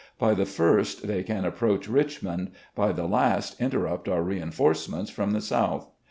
By the first they can approach Richmond; by the last interrupt our reinforcements from the South.